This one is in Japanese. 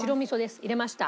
入れました。